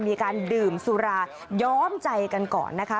มีการดื่มสุราย้อมใจกันก่อนนะคะ